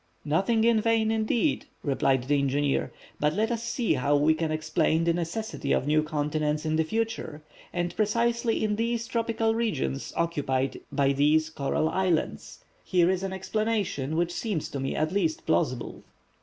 "Nothing in vain, indeed," replied the engineer; "but let us see how we can explain the necessity of new continents in the future, and precisely in these tropical regions occupied by these coral islands. Here is an explanation, which seems to me at least plausible."